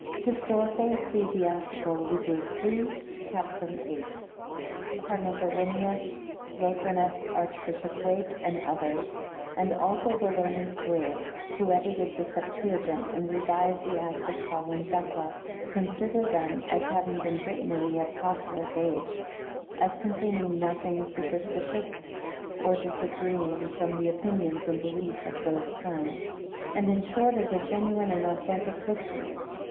Hist. Ecel. lib. 3 cap. 8. Cardinal Barenius, Locrinus, Archbishop Wake, and others; and also the learned Grabe, who edited the Septuagint, and revived the Acts of Paul and Thecla, consider them as having been written in the Apostolic age; as containing nothing superstitious, or disagreeing from the opinions and belief of those times; and, in short, as a genuine and authentic history.